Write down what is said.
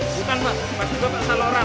bukan mbak masih gua persalah orang